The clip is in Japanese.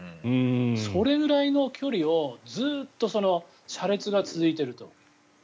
それぐらいの距離をずっと車列が続いていると。